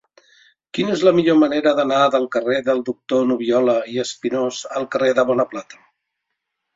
Quina és la millor manera d'anar del carrer del Doctor Nubiola i Espinós al carrer de Bonaplata?